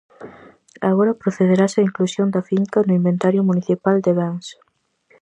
Agora procederase á inclusión da finca no inventario municipal de bens.